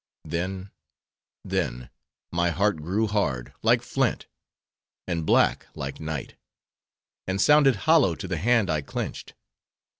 Then, then! my heart grew hard, like flint; and black, like night; and sounded hollow to the hand I clenched.